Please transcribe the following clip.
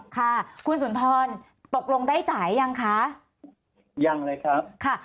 ค่ะคุณสุนทรตกลงได้จ่ายยังคะยังเลยครับค่ะ